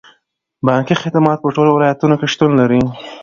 بانکي خدمات په ټولو ولایتونو کې شتون لري.